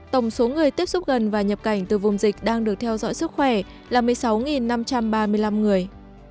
tổng số người tiếp xúc gần và nhập cảnh từ vùng dịch đang được theo dõi sức khỏe là một mươi sáu năm trăm ba mươi năm người